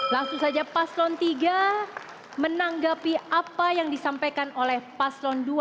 langsung saja paslon tiga menanggapi apa yang disampaikan oleh paslon dua